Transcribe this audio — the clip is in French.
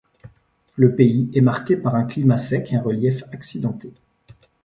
Le pays est marqué par un climat sec et un relief accidenté.